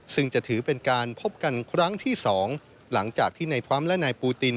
ซึ่งจะถือเป็นการพบกันครั้งที่สองหลังจากที่นายทรัมป์และนายปูติน